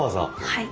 はい。